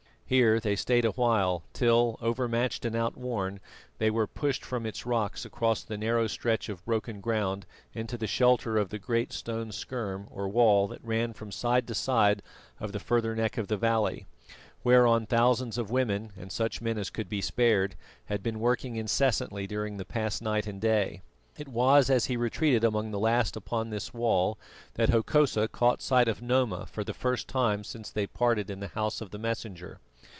Here they stayed a while till, overmatched and outworn, they were pushed from its rocks across the narrow stretch of broken ground into the shelter of the great stone scherm or wall that ran from side to side of the further neck of the valley, whereon thousands of women and such men as could be spared had been working incessantly during the past night and day. It was as he retreated among the last upon this wall that Hokosa caught sight of Noma for the first time since they parted in the house of the Messenger.